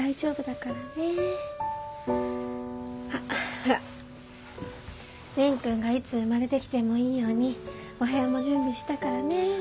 ほら蓮くんがいつ生まれてきてもいいようにお部屋も準備したからね。